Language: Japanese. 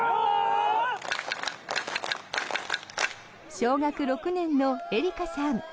小学６年の恵裡華さん。